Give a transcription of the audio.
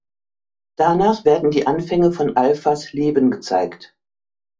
Danach werden die Anfänge von Alphas Leben gezeigt.